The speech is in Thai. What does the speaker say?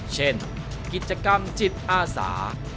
เช่นกิจกรรมจิตอาสา